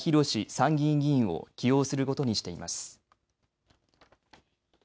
参議院議員を起用することにしています。